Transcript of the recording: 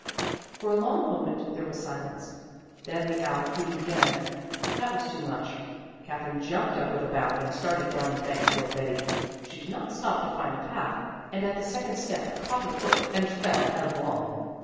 For a long moment there was silence. Then the owl hooted again. That was too much. Katherine jumped up with a bound and started down the bank toward Betty. She did not stop to find the path, and at the second step caught her foot and fell headlong.